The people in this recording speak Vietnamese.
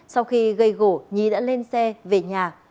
sau khi gây gỗ nhí đã lên xe về nhà